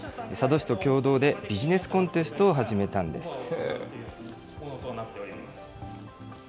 佐渡市と共同で、ビジネスコンテストを始めたんです。